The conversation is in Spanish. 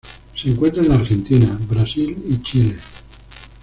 Se encuentra en Argentina, Brasil y Chile.